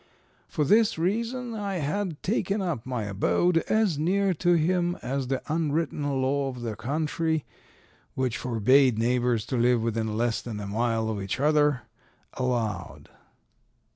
For this reason I had taken up my abode as near to him as the unwritten law of the country, which forbade neighbors to live within less than a mile of each other, allowed.